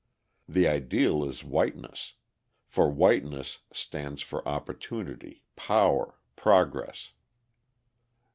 The ideal is whiteness: for whiteness stands for opportunity, power, progress.